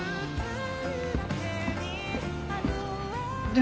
で